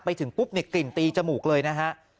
ไปถึงปุ๊บเนี่ยกลิ่นตีจมูกเลยนะฮะ